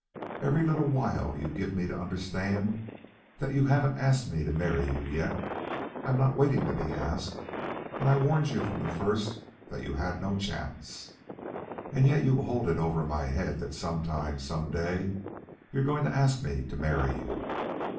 Every little while you give me to understand that you haven't asked me to marry you yet. I'm not waiting to be asked, and I warned you from the first that you had no chance. And yet you hold it over my head that some time, some day, you're going to ask me to marry you.